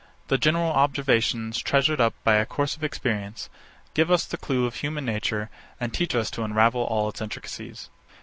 The general observations treasured up by a course of experience, give us the clue of human nature, and teach us to unravel all its intricacies.